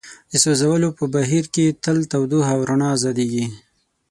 د سوځولو په بهیر کې تل تودوخه او رڼا ازادیږي.